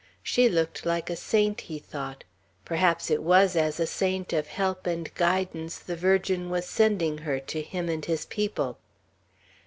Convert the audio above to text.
She looked like a saint, he thought; perhaps it was as a saint of help and guidance, the Virgin was sending her to him and his people.